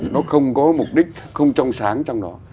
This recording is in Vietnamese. nó không có mục đích không trong sáng trong đó